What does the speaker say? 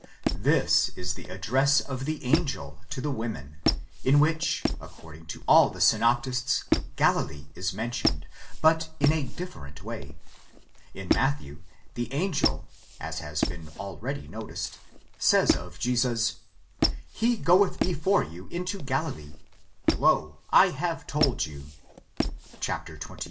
This is the address of the angel to the women, in which according to all the synoptists Galilee is mentioned, but in a different way. In Matthew the angel, as has been already noticed, says of Jesus: he goeth before you into Galilee,—lo, 7 have told you (xxviii. 7), προάγει.